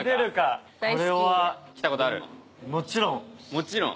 「もちろん」